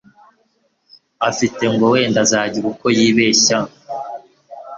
afite ngo wenda azagira uko yibeshaho